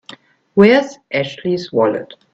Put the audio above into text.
Where's Ashley's wallet?